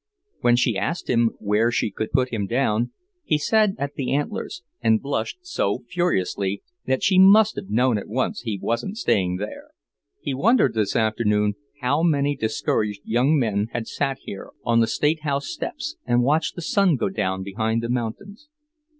When she asked him where she should put him down, he said at the Antlers, and blushed so furiously that she must have known at once he wasn't staying there. He wondered this afternoon how many discouraged young men had sat here on the State House steps and watched the sun go down behind the mountains.